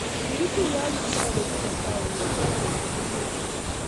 Kikituye ak Kiptoo betut netai kongete koki mengechen